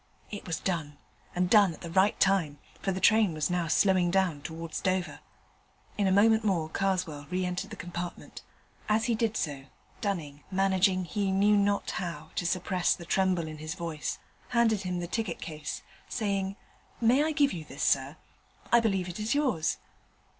It was done, and done at the right time, for the train was now slowing down towards Dover. In a moment more Karswell re entered the compartment. As he did so, Dunning, managing, he knew not how, to suppress the tremble in his voice, handed him the ticket case, saying, 'May I give you this, sir? I believe it is yours.'